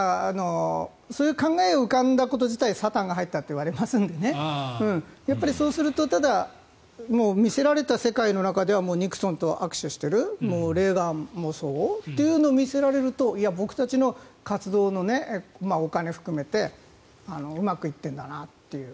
そういう考えを浮かんだこと自体サタンが入ったと言われますのでそうすると見せられた世界の中ではニクソンと握手しているレーガンもそうというのを見せられるといや、僕たちの活動のお金含めてうまくいっているんだなと。